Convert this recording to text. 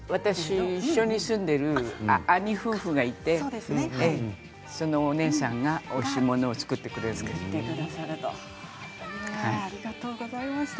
一緒に住んでいる兄夫婦がいて、そのお姉さんがおいしいありがとうございました。